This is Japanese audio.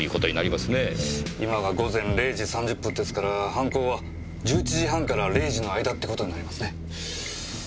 今が午前０時３０分ですから犯行は１１時半から０時の間って事になりますね。